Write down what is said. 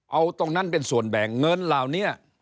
เอาตรงนั้นเป็นส่วนแบ่งเงินเหล่านี้